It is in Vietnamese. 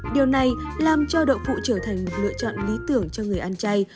điều này làm cho đậu phụ trở thành một lựa chọn lý tưởng cho người ăn chay